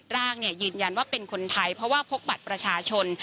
ร่างยืนยันว่าเป็นคนไทยเพราะว่าพกบัตรประชาชน